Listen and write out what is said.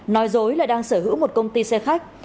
nói dối là đang sở hữu một công ty xe khách